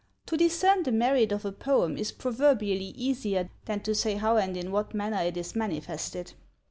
To discern the merit of a poem is proverbially easier than to say how and in what manner it is manifested.